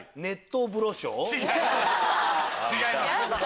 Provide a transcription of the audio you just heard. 違います！